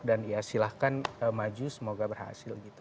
dan ya silahkan maju semoga berhasil